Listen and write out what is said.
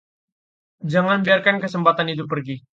Jangan biarkan kesempatan itu pergi.